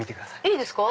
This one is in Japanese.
いいですか？